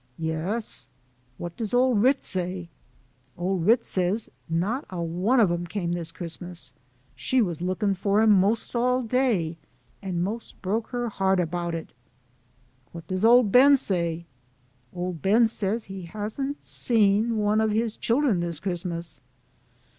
" Yes." " What does Old Kit say ?"" Old Kit says not one of 'em came this Christmas. She was looking for 'em most all day, and most broke her heart about it." "What does Old Ben say?" " Old Ben says that he hasn't seen one of his chil dren this Christmas."